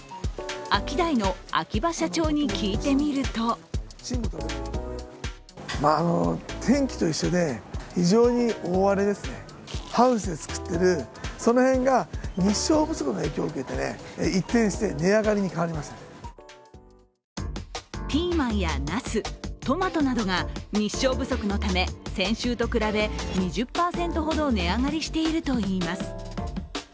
アキダイの秋葉社長に聞いてみるとピーマンや、なすトマトなどが日照不足のため先週と比べ２０％ほど値上がりしているといいます。